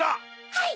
はい！